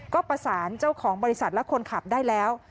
ก็ประสานเจ้าของบริษัทและคนขับได้แล้ว